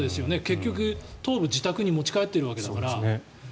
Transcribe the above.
結局、頭部を自宅に持ち帰っているわけだから。